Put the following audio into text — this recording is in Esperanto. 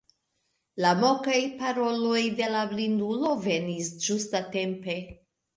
La mokaj paroloj de la blindulo venis ĝustatempe.